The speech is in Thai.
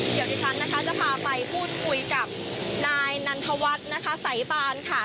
เดี๋ยวดิฉันนะคะจะพาไปพูดคุยกับนายนันทวัฒน์นะคะสายปานค่ะ